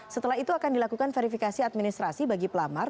setelah itu akan dilakukan verifikasi administrasi bagi pelamar